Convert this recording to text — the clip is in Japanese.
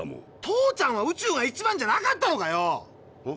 父ちゃんは宇宙が一番じゃなかったのかよ！